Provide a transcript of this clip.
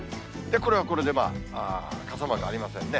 これはこれで、まあ傘マークありませんね。